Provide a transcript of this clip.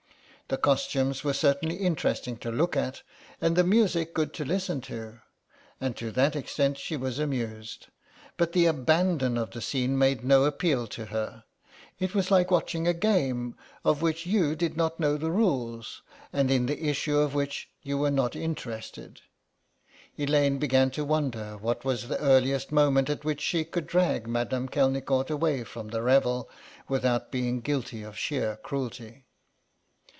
The costumes were certainly interesting to look at, and the music good to listen to, and to that extent she was amused, but the abandon of the scene made no appeal to her. It was like watching a game of which you did not know the rules, and in the issue of which you were not interested. Elaine began to wonder what was the earliest moment at which she could drag Madame Kelnicort away from the revel without being guilty of sheer cruelty.